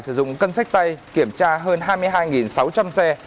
sử dụng cân sách tay kiểm tra hơn hai mươi hai sáu trăm linh xe